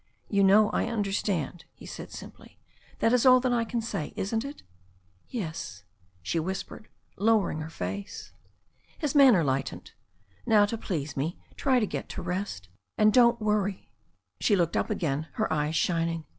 "You know I understand," he said simply. "That is all that I can say, isn't it?" "Yes," she whispered, lowering her face. His manner lightened. "Now, to please me, you try to rest. And don't worry." She looked up again, her eyes shining.